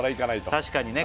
確かにね